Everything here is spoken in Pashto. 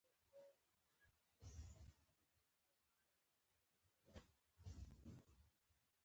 پخو رازونو کې حکمت وي